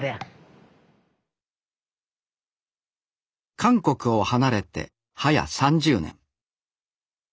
韓国を離れてはや３０年。